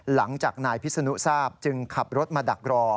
หลังจากนายพิศนุทราบจึงขับรถมาดักรอ